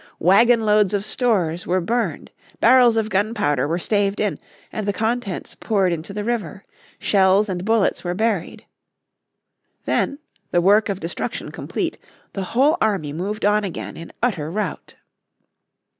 Wagon loads of stores were burned, barrels of gunpowder were staved in, and the contents poured into the river; shells and bullets were buried. The, the work of destruction complete, the whole army moved on again in utter rout.